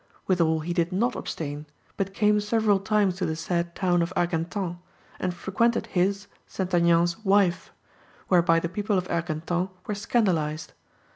Withal he did not abstain, but came several times to the said town of Argentan, and frequented his (St. Aignan's) wife; whereby the people of Argentan were scandalised.